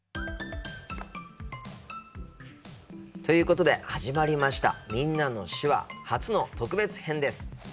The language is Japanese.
ということで始まりました「みんなの手話」初の特別編です。